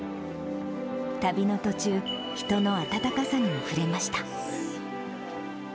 旅の途中、人の温かさにも触れました。